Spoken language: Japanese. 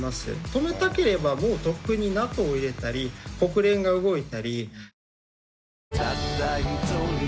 止めたければもうとっくにＮＡＴＯを入れたり国連が動いたり。